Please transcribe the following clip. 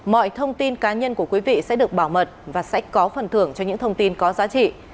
mọi thông tin cá nhân của quý vị sẽ được bảo mật và sẽ có phần thưởng cho những thông tin có giá trị